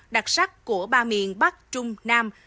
đặc sắc của ba miền bắc trung nam